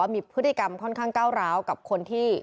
มีพฤติกรรมค่อนข้างก้าวร้าวกับคนที่